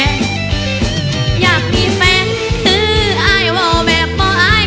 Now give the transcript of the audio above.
ก็ทำแค่แน่อยากมีแฟนนึกอายว่าแบบบ่ออาย